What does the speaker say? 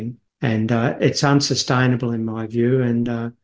dan itu tidak berkelanjutan menurut saya